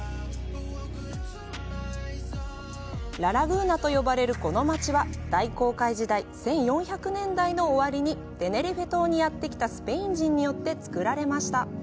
ラ・ラグーナと呼ばれるこの街は、大航海時代、１４００年代の終わりに、テネリフェ島にやってきたスペイン人によってつくられました。